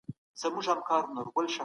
موږ له ډېر وخته ادبي څېړنې کوو.